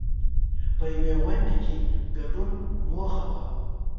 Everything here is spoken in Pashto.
په یوې غونډې کې ګډون موخه وه.